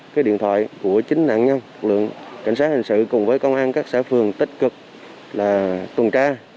cái điện thoại của chính nạn nhân lực lượng cảnh sát hình sự cùng với công an các xã phường tích cực là tuần tra